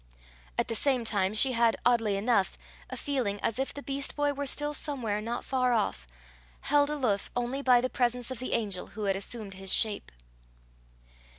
At the same time she had, oddly enough, a feeling as if the beast boy were still somewhere not far off, held aloof only by the presence of the angel who had assumed his shape.